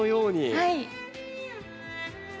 はい。